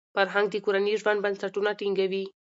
فرهنګ د کورني ژوند بنسټونه ټینګوي.